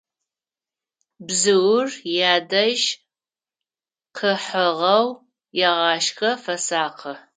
Бзыур ядэжь къыхьыгъэу егъашхэ, фэсакъы.